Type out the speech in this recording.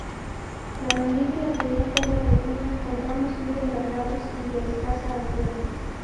La mandíbula tenía forma de cuña, con ramos muy alargados y de escasa altura.